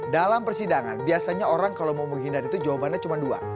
dalam persidangan biasanya orang kalau mau menghindar itu jawabannya cuma dua